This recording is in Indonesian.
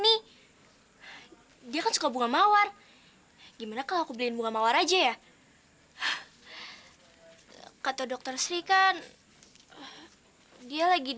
nih dia kan suka bunga mawar gimana kalau aku beliin bunga mawar aja ya kata dokter sri kan dia lagi di